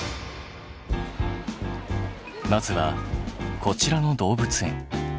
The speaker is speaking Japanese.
まずはこちらの動物園。